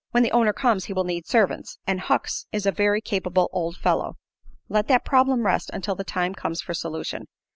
"When the owner comes he will need servants, and Hucks is a very capable old fellow. Let that problem rest until the time comes for solution.